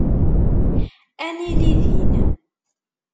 Ad nili din.